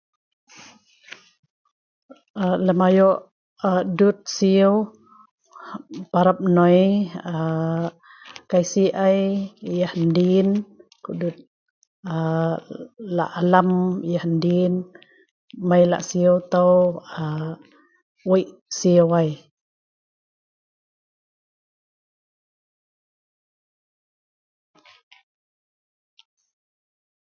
Aaa lem ayo ee dut siu parap noi aaa kaisi ai yah endin kedut aaa lah' alam yah endin mai lah siu tau wei' siu ai.